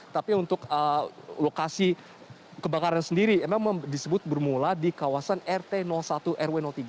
tapi untuk lokasi kebakaran sendiri memang disebut bermula di kawasan rt satu rw tiga